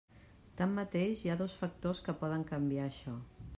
Tanmateix, hi ha dos factors que poden canviar això.